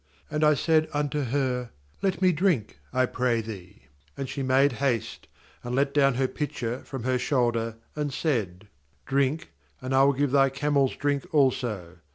And I said unto her: Let me drink, I pray thee. ^And she made haste, and let down her pitcher from her shoulder, and said: Drink, and I will give thy camels drink also.